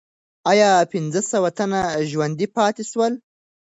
آیا پنځه سوه تنه ژوندي پاتې سول؟